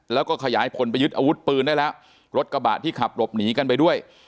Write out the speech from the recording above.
แล้วก็ขยายผลไปยึดอาวุธปืนได้แล้วรถกระบะที่ขับหลบหนีกันไปด้วย